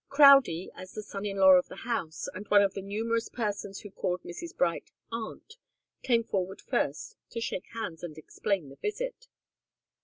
Crowdie, as the son in law of the house, and one of the numerous persons who called Mrs. Bright 'aunt,' came forward first, to shake hands and explain the visit.